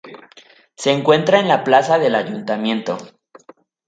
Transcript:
Se encuentra en la plaza del Ayuntamiento.